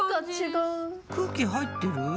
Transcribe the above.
空気入ってる？